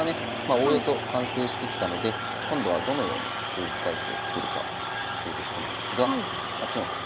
おおよそ完成してきたので今度はどのように攻撃態勢をつくるかというところなんですが８四歩。